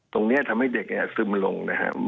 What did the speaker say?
ตรงนี้ทำให้เด็กซึมลง